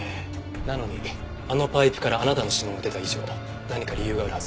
なのにあのパイプからあなたの指紋が出た以上何か理由があるはずです。